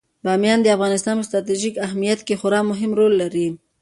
بامیان د افغانستان په ستراتیژیک اهمیت کې خورا مهم رول لري.